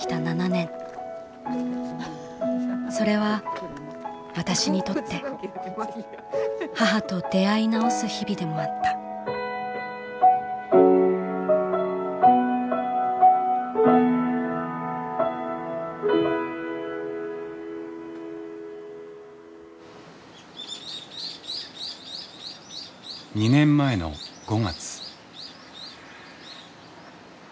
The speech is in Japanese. それは私にとって母と出会い直す日々でもあった」。２年前の５月。